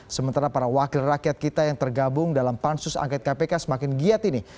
sementara para wakil rakyat kita yang tergabung dalam pansus angket kpk semakin giat ini